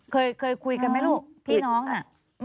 เคยคุยกันไหมลูกพี่น้องน่ะ